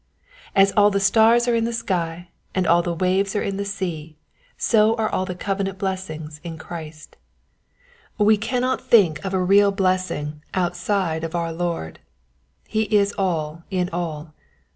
As all the stars are in the sky, and all the waves are in the sea, so are all covenant blessings in 128 According to the Promise. Christ. We cannot think of a real blessing out side of our Lord : He is all in all.